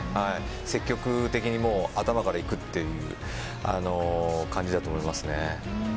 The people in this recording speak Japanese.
積極的に頭からいくという感じだと思いますね。